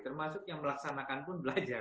termasuk yang melaksanakan pun belajar